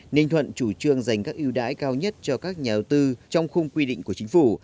ninh thuận chủ trương dành các ưu đãi cao nhất cho các nhà đầu tư trong khung quy định của chính phủ